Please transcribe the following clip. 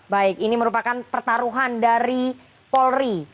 baik ini merupakan pertaruhan dari polri